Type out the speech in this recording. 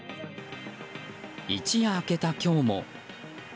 一夜明けた今日も。